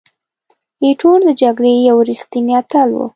ایټور د جګړې یو ریښتینی اتل وو.